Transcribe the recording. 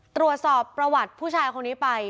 ตรวจสอบประวัติผู้ชายคนนี้ไป